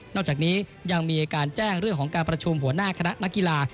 จากนี้ยังมีการแจ้งเรื่องของการประชุมหัวหน้าคณะนักกีฬา